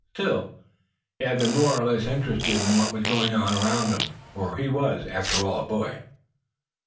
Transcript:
Still, he had been more or less interested in what was going on around him, for he was, after all, a boy.